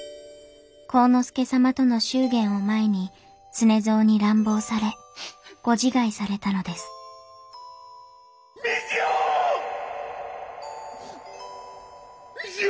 晃之助様との祝言を前に常蔵に乱暴されご自害されたのです三千代！